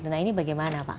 nah ini bagaimana pak